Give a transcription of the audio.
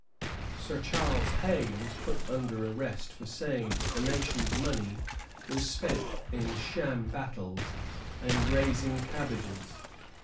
Sir Charles Hay was put under arrest for saying that the nation's money was spent in sham battles and raising cabbages.